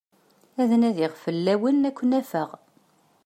Ad nadiɣ fell-awen, ad ken-afeɣ.